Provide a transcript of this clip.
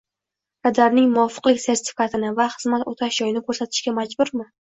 radarning muvofiqlik sertifikatini va xizmat o‘tash joyini ko‘rsatishga majburmi?